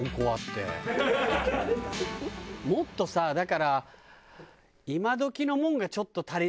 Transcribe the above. もっとさだから。